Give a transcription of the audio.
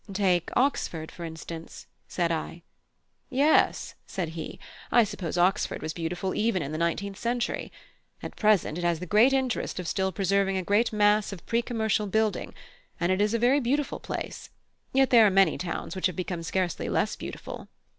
"Take Oxford, for instance," said I. "Yes," said he, "I suppose Oxford was beautiful even in the nineteenth century. At present it has the great interest of still preserving a great mass of pre commercial building, and is a very beautiful place, yet there are many towns which have become scarcely less beautiful."